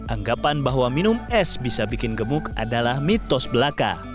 anggapan bahwa minum es bisa bikin gemuk adalah mitos belaka